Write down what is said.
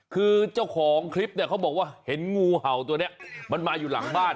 คือเจ้าของคลิปเนี่ยเขาบอกว่าเห็นงูเห่าตัวนี้มันมาอยู่หลังบ้าน